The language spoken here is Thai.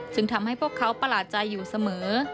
ซึ่งทำให้พวกเขาประหลาดใจอยู่เสมอ